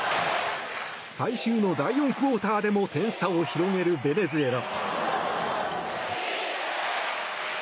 最終の第４クオーターでも点差を広げるベネズエラ。